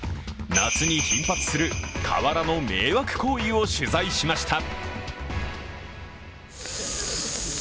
夏に頻発する川原の迷惑行為を取材しました。